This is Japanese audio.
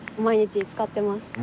毎日使ってます。